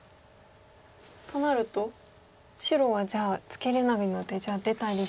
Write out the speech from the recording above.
となると白はじゃあツケれないのでじゃあ出たりして。